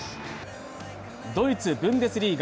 ドイツ・ブンデスリーガ。